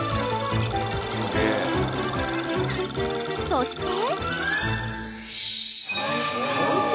［そして］